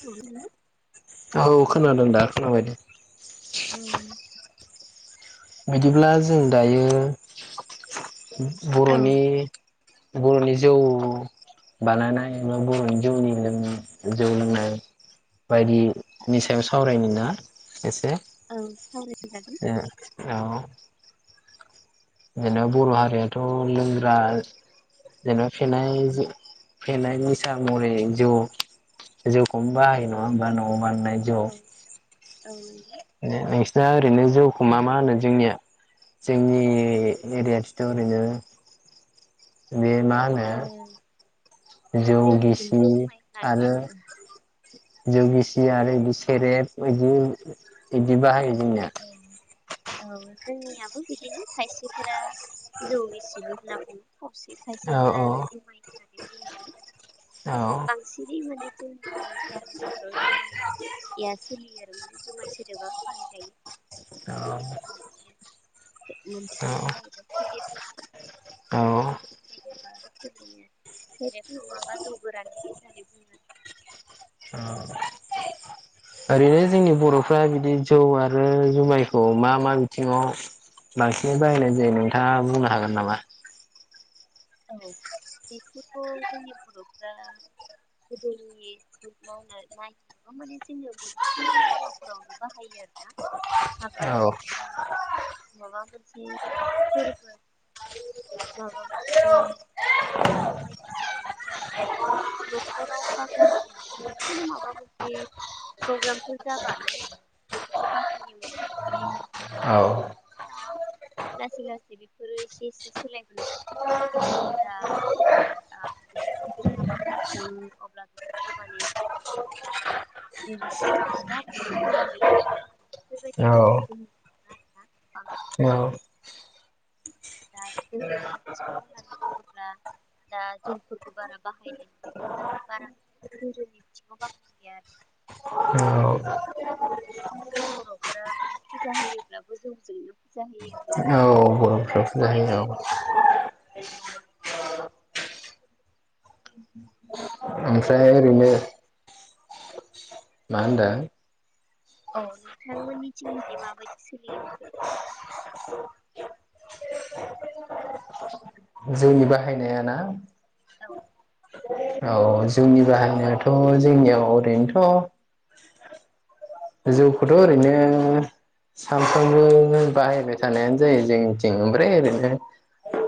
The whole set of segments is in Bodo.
[unintelligible] ना औ खोनादों दा खोनाबाय दे आंनि बिदिब्ला जों दायो उम औ बर'नि बर‌'नि जौ बानायनाय एबा बर'नि जौनि लोंनाय जौ लोंनाय बायदिनि सायाव सावरायनि ना एसे औ सावरायजागोन। दा अ जेनेबा बर' हारियाथ' लोंग्राज जेनेबा फेनाय जो फेनाय निसा महरै जौ जौखौनो बाहायो नङा होनबा न'आव बानायनाय औ औ नंगौ। ए नोंसिना ओरैनो जौखौ मा मा होनो जोंनिया जोंनि एरियाथिथ' ओरैनो बे मा ओ होनो जौ जोंनिथिंथ' गिसि जुमाय होननानै आरो बुङो। जौ गिसि आरो इदि सेरेप बायदि इदि बाहायो जोंनिया अ औ जोंनियाबो बिदिनो खायसेफोरा जौ गिसिबो होनना बुङो खावसे औ खायसेफोरा आरो जुमाय होननानै बुङो आरो औ सिरि माने जोंनि गामिफोराव जुमाय या सोलियो आरो माने जुमाय सोदोबा बाहाय जायो। बेनि अनगा बियो से मोनसेया जाहैबाय सेरेब अ सेरेबा सोलियो सेरेब नङाबा जौ गोरान होननानै बुङो। अ [unintelligible] ओरैनो जोंनि बर'फ्रा बिदि जौ आरो जुमायखौ मा मा बिथिंङाव बांसिनै बाहायनाय जायो नोंथाङा बुंनो हागोन नामा? औ बेखौथ' जोंनि बर'फ्रा गोदोनि फो मावनाय माइ एसेबां माने जोंनियावबो सुंद' हाबाफोरावनो बाहायो आरोना औ हाबाय जा माबा मोनसे फोरबो माबा मोनसे ओ सारादु बायदिसो एन जा माने न'खराव बा गामियाव खुनु माबा मोनसे प्रग्रामफोर जाबानो बेफोरखौ बाहायोमोन आरोना औ दा लासै लासै बेफोरो एसे एसे सोलायबोनो हमदों दा आ गिदिर गिदिर हाबाफोर खुंङो अब्ला बेफोरखौ माने जेरै सिगांआव जाबायदि खुला गैया बा बेफोरबायदि बाहायनायखौ नुनो मोना आरोना आं स्नौ दा आरो धोरोमनि बिथिंङाव होननानै बुङोब्ला दा जौफोरखौ बारा बाहायनाय दा बारा धोरोमनि बिथिंङाव बाहाया आर औ [unintelligible] बर'फोरा माने फुजा होयोब्लाबो जौजोंनो फुजा होयो होननानै जों बांसिन हायो फरायदो औ ओमफ्राय जेनेबा ओरैनो माफोरनि मा होनदों? औ नोंथांमोननिथिं माने माबायदि सोलियो बेफोर? जौनि बाहायनायाना? औ। अ जौनि बाहायनायाथ' जोंनियाव ओरैनोथ' जौखौथ' ओरैनो सानफ्रोमबो बाहायबाय थानायानो जायो जोंनिथिं ओमफ्राय ओरैनो ओ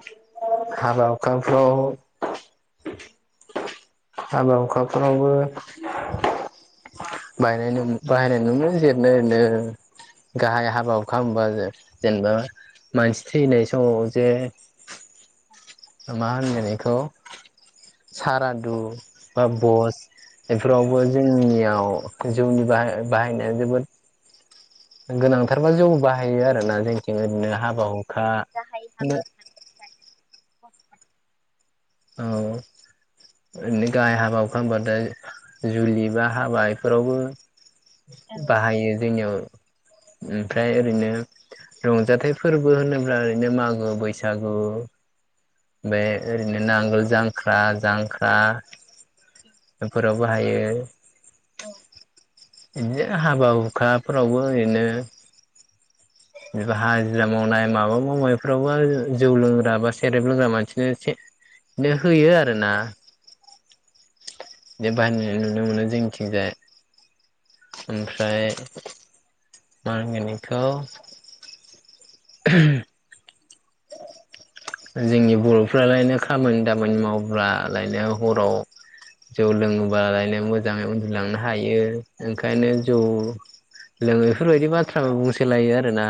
हाबा हुखाफ्राव हाबा हुखाफोरावबो बायनाय बाहायनाय नुयो जिरैनो ओरैनो। गाहाय हाबा हुखा होमबा जे जेनेबा मानसि थैनाय समाव जे मा होनगोन इखौ सारादु बा बस बेफोरावबो जोंनियाव जौनि बाय बाहायनाया जोबोद गोनांथारबा जौ बाहायो आरोना जोंनिथिं ओरैनो हाबा हुखा गाहाय हाबा बिदिनो होननानै [unintelligible] औ। ओरैनो गाहाय हाबा हुखा होमबाथाया जुलि बा हाबा इफोरावबो आइडिया बाहायो जोंनियाव। ओमफ्राय ओरैनो रंजाथाइ फोरबो होनोब्ला ओरैनो मागो बैसागु बे ओरैनो नांगोल जांख्रा जांख्रा [inaudible] एफोराव बाहायो। [unintelligible] बिदिनो हाबा हुखाफोरावबो ओरैनो [inaudible] एबा हाजिरा मावनाय माबा मावनायफोरावबो जौ लोंग्रा बा सेरेब लोंग्रा मानसिनो एसे बिनो होयो आरो ना। बेबादिनो नुनो मोनो जोंनिथिंजाय। ओमफ्राय मा होनगोन इखौ? [unintelligible] [inaudible] जोंनि बर'फ्रालायनो खामानि दामानि मावबालायनो हराव जौ लोङोबा लायनो मोजाङै उन्दुलांनो हायो। ओंखायनो जौ लोङो। इफोरबायदि बाथ्राबो बुंसोलायो आरोना।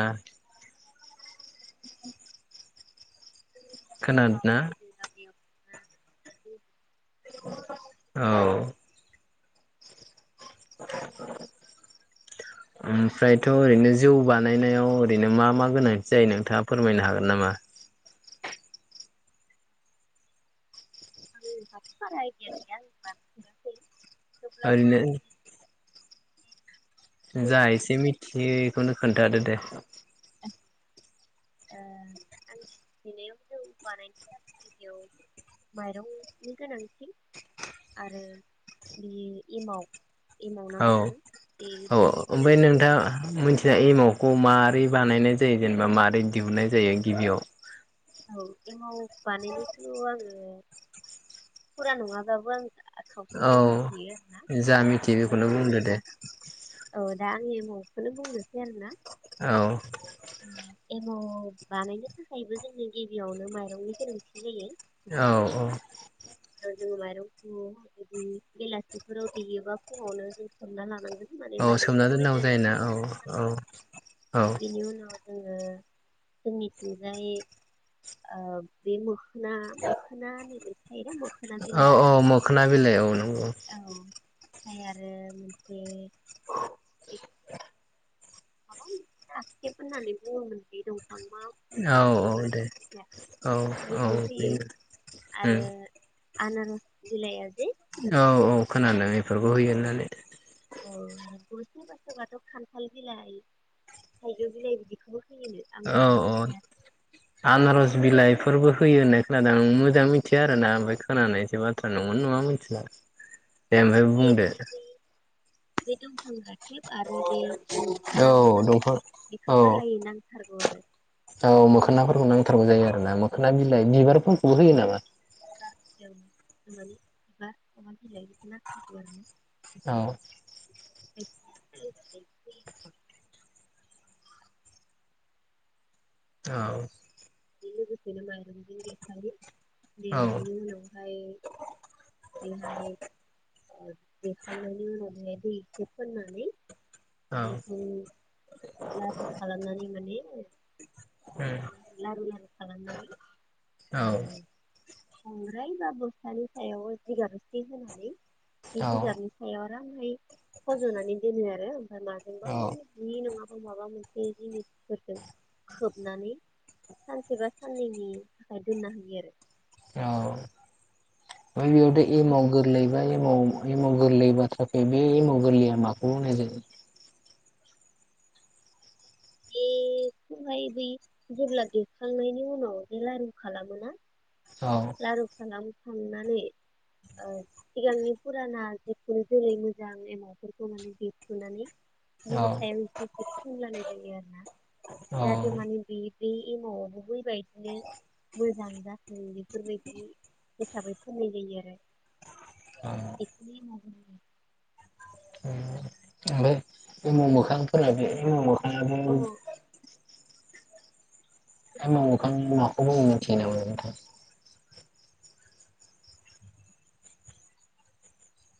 खोनादोंना [unintelligible] औ। [unintelligible] [inaudible] ओमफ्रायथ' ओरैनो जौ बानायनायाव ओरैनो मा मा गोनांथि जायो नोंथाङा फोरमायनो हागोन नामा? [unintelligible] ओरैनो आंनि जौ जा एसे बानायनो मिथियो थाखाय बेखौनो खोन्थादो दे। [inaudible] ओ आं [unintelligible] जौ बानायनि [unintelligible] माइरंनि गोनांथि आरो बि एमाव एमाव ना औ मा होनो बे औ बेनि ओमफ्राय गोनांथि नोंथाङा मिथियोना एमाव खौ मारै बानायनाय जायो जेनेबा माबारै दिहुननाय जायो गिबियाव? औ एमाव बानायनोखौ आङो। फुरा नङाबाबो आं औ खावसेखौ मिथियो आरोना जा मिथियो बेखौनो बुंदो दे दा, औ दा आंनि एमावखौनो बुंनोसै आरो ना, औ एमाव बानायनो थाखायबो जोंनि गिबियावनो माइरंनि गोनांथि जायो। औ औ। [unintelligible] माइरंखौ। जदि बेलासिफोराव देयोबा फुङावनो जों सोमना लानांगोन। सोमनानै औ माइरंखौ सोमना गुरै दोननांगौ जायोना जाजासिम औ सोमना औ दोननांगौ आरो। औ बिनि उनाव जोङो जोंनिथिंजाय ओ बे ना मोखोना एबा मोखोना औ औ बिलाय मोखोना बिलाइ औ नंगौ औ। ओमफ्राय आरो मोनसे [unintelligible] ए माबा मोनसे दाखेब होननानै बुङोमोन बे दंफां आव। औ मिथिया औ आंबो बारा दे मिथिया औ औ गोसोयाव फैयो बेनो उम आरो आनासर बिइलाया जे औ औ खोनादों बेफोरखौ होयो होननानै, औ आरो सोरबा सोरबा थ' खान्थाल बिलाइ, थाइजौ बिलाइ बिदिखौबो होयोनो। आं बारा औ औ। मिथिया आनारस बिलाइफोरबो होयो होननाय खोनादों आं मोजां मिथियो आरो ना ओमफ्राय खोनानाय जोब नंगौ नङा मिथिला। दे ओमफ्राय बे बुंदो। माने बै बे दंफां आ। खेब आरो बे औ मोखोना ना मा दंफां औ बेखौ गाहायै नांथारगौ आरो औ मोखोनाफोरखौ नांथारगौ जायो आरो ना मोखोना बिलाइ बिबारफोरखौबो होयो नामा? जाखि जाया मोखोना बिलाइ बेफोरखौ नांथारगौ आरो ना? जाव, [unintelligible] औ बे लोगोसेनो माइरंजों देखायो औ देनायनि उनावहाय। देनाय देखांनायनि उनाव बेहाय दैखौ फोननानै, औ बेखौ लासै खालामनानै माने। लारु लारु खालामनानै ओ। बांग्राय बा बस्थानि सायाव जिगाब एसे होनानै बे औ जिगाबनि, हायाव आरामहै फज'नानै दोनो आरो ओमफ्राय माजोंबा औ माने बि नङाबा माबा मोनसे जिनिसफोरजों खोब होनानै सानसे बा साननैनि थाखाय दोननो होयो आरो औ ओयावथ' दोननानै एमाव गोरलै बे एमाव गोरलै बाथ्रा बे एमाव गोरलैया माखौ होननायजायो। बेखौहाय बै जेब्ला दैखांनायनि उनाव बे लारु खालामोना। औ लारु खालामखांनानै ओ सिगांनि फुराना [unintelligible] जेरै मोजां एमावफोरखौ माने देप्रुनानै, बिनि सायाव एसे एसे फुनलानाय जायो आरो ना औ जाहाथे माने बे बे एमावआवबो बैबायदिनो मोजां जाखो बेफोरबायदि, हिसाबै फोननाय जायो आरो बेखौनो एमाव होनो। ओमफ्राय एमाव मोखांफोरा बे एमाव अ मोखाङाबो। एमाव मोखां माखौ होनो मिथियो नामा?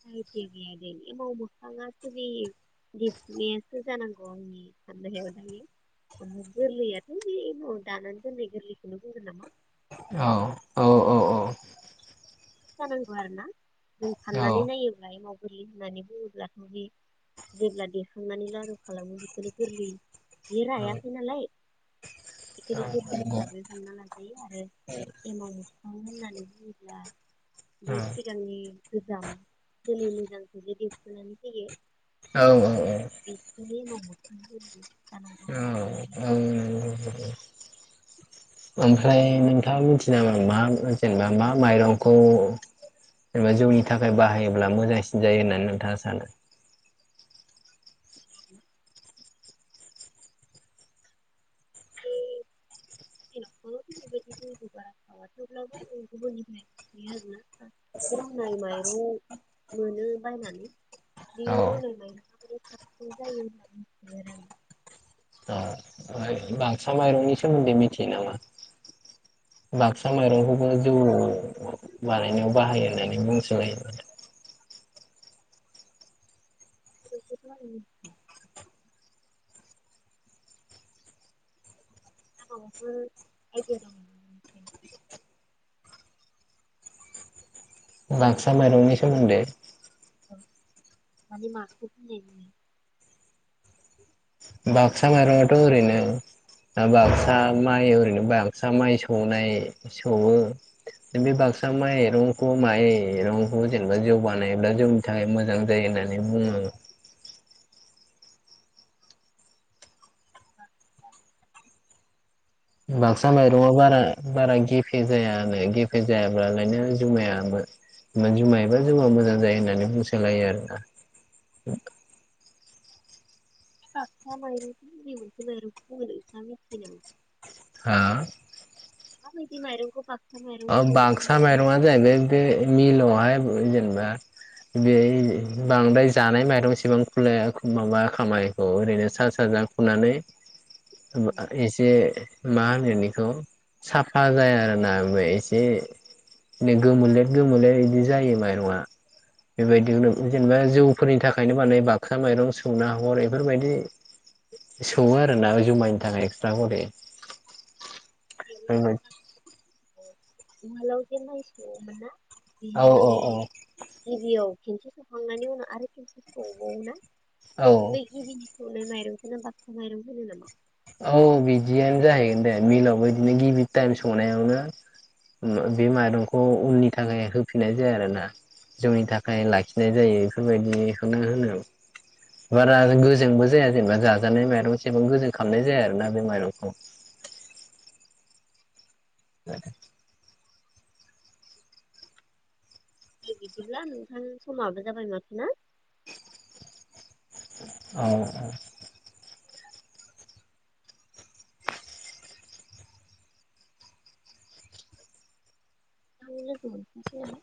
[unintelligible] एमाव मोखाङा देप्रुनायासो जानांगौ आंनि साननायाव गोरलैयाथ'बे एमाव दानानानै दोनै गोरलैखौनो बुंगोन नामा? औ औ औ औ जानांगौ आरोना जों औ साननानै नायोब्ला एमाव गोरलै होननानै बुङोब्लाथ' बे जेब्ला देखांनानै लारु खालामो बेखोनो गोरलै। बेयो रायाखै नालाय औ एखायनो गोरलै नंगौ हिसाबै हमना लाजायो आरो एमाव मोखां होननानै बुङोब्ला। बे सिगांनि गोजाम जोलै मोजांखौ जे देसोनानै होयो। औ औ अ [unintelligible] उ [unintelligible] ओमफ्राय नोंथाङा मिनथियो नामा मा जेनेबा मा माइरंखौ जेनेबा जौनि थाखाय बाहायोब्ला मोजांसिन जायो होननानै नोंथाङा सानो [inaudible] [unintelligible] [inaudible] जोंनिथि बारा सावा थेवब्लाबो आङो गुबुननिफ्राइ मिथियो आरो ना रुनाय माइरं मोनो बायनानै औ [unintelligible] ओ बाक्सा माइरंनि सोमोन्दै मिथियो नामा? बाक्सा माइरंखौबो जौ बानायनायाव बाहायो होननानै बुंसोबायो माथो। बेखोथ' आङो मिथिया [inaudible] बाक्सा माइरंनि सोमोन्दै ओं माने माखौ बुंनाय जायो। बाक्सा माइरंआथ' ओरैनो दा बाक्सा माइ ओरैनो बाक्सा माइ सौनाय सौवो बै बे बाक्सा माइरंखौ माइरंखौ जेनेबा जौ बानायोब्ला जौ थाखाय मोजां जायो होननानै बुङो। [unintelligible] बाक्सा माइरंआव बारा बारा गेफे जायानो गेफे जायाब्लालायनो जुमायाबो मानि मायबा जौआ मोजां जायो होननानै बुंसोलायो आरोना [unintelligible] बाक्सा मायरं बबे मोनसे मायरं बुङो नोंथाङा मिथियो नामा? हा माबायदि माइरंखौ बाक ओ बाक्सा माइरंआ जाहैबाय बे मिलावहाय जेनबा बे इ बांद्राय जानाय माइरंसेबां खुलाया खु माबा खामा इखौ ओरैनो सा साज्रां खुनानै [unintelligible] बो आ एसे मा होनो बेखौ साफा जाया आरोना बेै इसे बे गोमोले गोमोले इदि जायो माइरंआ बेबायदिखौनो जेनबा जौफोरनि थाखायनो बानायो बाक्सा माइरं सौना हरैफोरबायदि सौवो आरोना जुमायनि थाखाय एक्सट्रा हरेै फोरबाय अ उवालाव जे माइ सोवोमोनना औ बेहाय औ माने औ गिबियाव खेनसे सौखांनायनि उनाव आरो खेनसे सौबावोना औ बेै गिबिनि सौनाय माइरंखौनो बाक्सा माइरं होनो नामा? औ बिदियान जाहैगोन दे मिलावबो इदिनो गिबि टाइम सौनायावनो उम ओ बे माइरंखौ उननि थाखाय होफिननाय जाया आरो ना जौनि थाखाय लाखिनाय जायो इफोरबायदिखौनो होनो। बारा गोजोंबो जाया जेनेबा जाजानाय माइरं सेबां गोजों खालामनाय जाया आरोना बे माइरंखौ ए दे बिदिब्ला नोंथां समाबो जाबाय माथो ना औ औ थां लोगो मोनफिनसिगोना